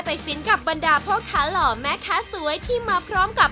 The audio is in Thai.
ใหม่ให้คุณมากกว่าที่คิด